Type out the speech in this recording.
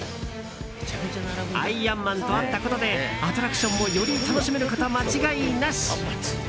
アイアンマンと会ったことでアトラクションもより楽しめること間違いなし。